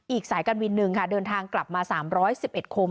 อีกสายการบินนึงค่ะเดินทางกลับมาสามร้อยสิบเอ็ดคม